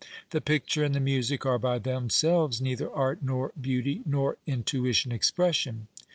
The picture and the music are by themselves neither art nor beauty nor intuition expression."